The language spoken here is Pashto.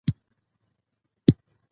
ازادي راډیو د سوله ستونزې راپور کړي.